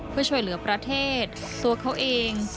เพื่อช่วยเหลือประเทศตัวเขาเอง